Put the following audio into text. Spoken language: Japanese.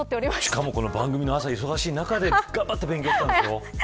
しかも、番組の朝忙しい中で頑張って勉強したんでしょう。